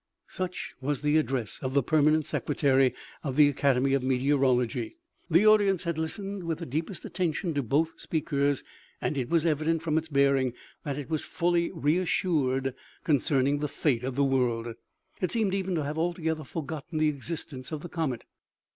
Such was the address of the permanent secretary of the academy of meteorology. The audience had listened with the deepest attention to both speakers, and it was evident, from its bearing, that it was fully reassured concerning the fate of the world ; it seemed even to have altogether forgotten the existence of the comet.